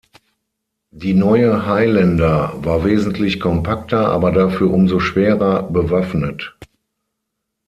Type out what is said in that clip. Die neue Highlander war wesentlich kompakter, aber dafür umso schwerer bewaffnet.